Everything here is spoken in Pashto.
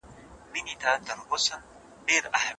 خبریالان باید تل نوي معلومات ولري.